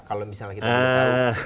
kalau misalnya kita mengetahui